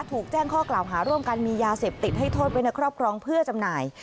ถูกแจ้งข้อกล่าวหาร่วมกันมียาเสพติดให้โทษไว้ในครอบครองเพื่อจำหน่าย